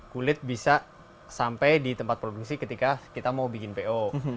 kulit bisa sampai di tempat produksi ketika kita mau bikin po